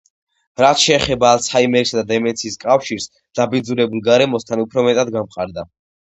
რაც შეეხება ალცჰაიმერისა და დემენციის კავშირს დაბინძურებულ გარემოსთან, უფრო მეტად გამყარდა.